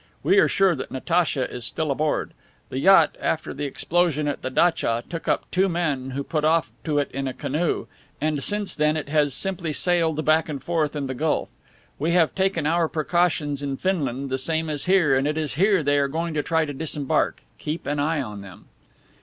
We are sure that Natacha is still aboard. The yacht, after the explosion at the datcha, took up two men who put off to it in a canoe, and since then it has simply sailed back and forth in the gulf. We have taken our precautions in Finland the same as here and it is here they are going to try to disembark. Keep an eye on them."